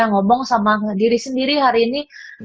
ngomong sama diri sendiri hari ini